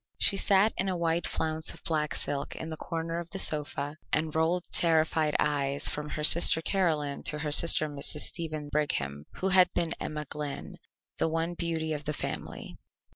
She sat in a wide flounce of black silk in the corner of the sofa, and rolled terrified eyes from her sister Caroline to her sister Mrs. Stephen Brigham, who had been Emma Glynn, the one beauty of the family.